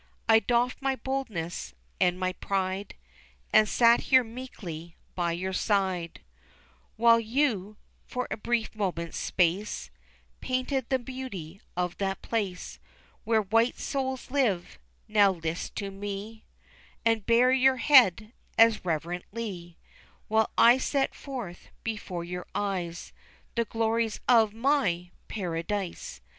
I doffed my boldness and my pride, And sat here meekly by your side, While you, for a brief moment's space, Painted the beauty of that place, Where white souls live, now list to me, And bare your head as reverently, While I set forth before your eyes The glories of my Paradise.